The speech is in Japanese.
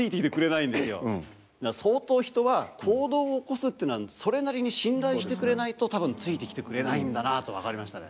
相当人は行動を起こすっていうのはそれなりに信頼してくれないと多分ついてきてくれないんだなあと分かりましたね。